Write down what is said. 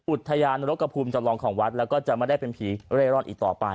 อุทยานรกภูมิจำลองของวัดแล้วก็จะไม่ได้เป็นผีเร่ร่อนอีกต่อไป